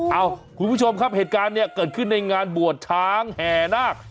เอ้าคุณผู้ชมครับเหตุการณ์เนี่ยเกิดขึ้นในงานบวชช้างแห่นาค